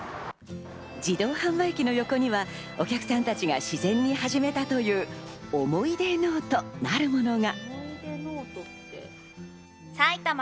自動販売機の横にはお客さんたちが自然に始めたという思い出ノートなるものが。